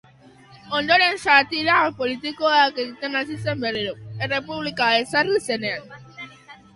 Ondoren satira politikoak egiten hasi zen berriro, errepublika ezarri zenean.